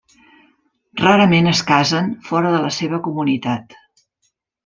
Rarament es casen fora de la seva comunitat.